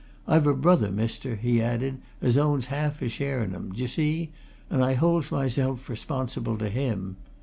I've a brother, mister," he added, "as owns a half share in 'em d'ye see? and I holds myself responsible to him.